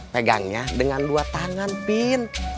pegangnya dengan dua tangan pin